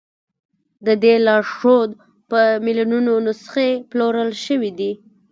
د دې لارښود په میلیونونو نسخې پلورل شوي دي.